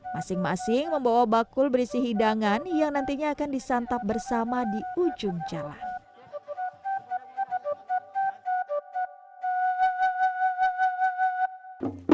masing masing membawa bakul berisi hidangan yang nantinya akan disantap bersama di ujung jalan